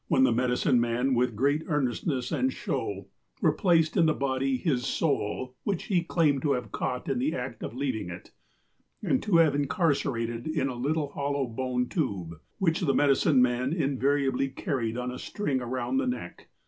'' 92 THE MEDICINE MEN 93 better, when tlie medicine man, with great earnestness and show, replaced in the body his "soul," which he claimed to have caught in the act of leaving it, and to have incarcerated in a little hollow bone tube, which the medicine men invariably carried on a string around the neck.